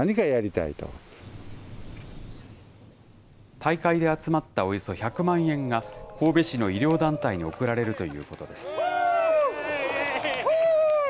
大会で集まったおよそ１００万円が、神戸市の医療団体に贈られるということです。